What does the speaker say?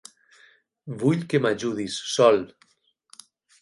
Vull que m'ajudis, Sol.